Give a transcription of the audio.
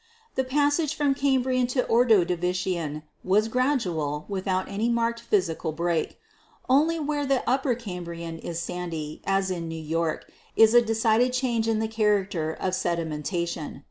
"The passage from Cambrian to Ordovician was gradual, without any marked physical break. Only where the Upper Cambrian is sandy, as in New York, is there a decided change in the character of sedimentation.